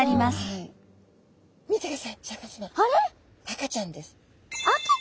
赤ちゃんです。